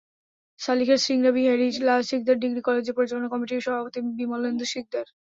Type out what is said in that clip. শালিখার Singra Bihari Lal Sikdar degree কলেজের পরিচালনা কমিটির সভাপতি বিমলেন্দু শিকদার।